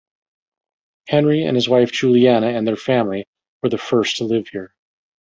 Henry and his wife Juliana and their family were the first to live here.